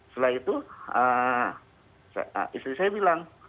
setelah itu istri saya bilang